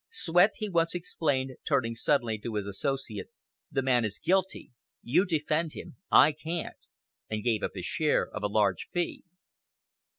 "Swett," he once exclaimed, turning suddenly to his associate, "the man is guilty; you defend him I can't," and gave up his share of a large fee.